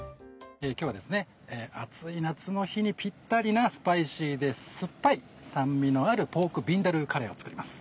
今日は暑い夏の日にぴったりなスパイシーで酸っぱい酸味のある「ポークビンダルカレー」を作ります。